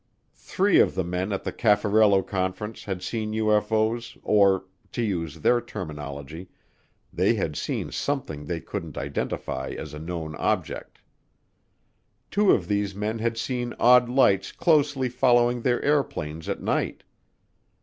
Three of the men at the Caffarello conference had seen UFO's or, to use their terminology, they had seen something they couldn't identify as a known object. Two of these men had seen odd lights closely following their airplanes at night.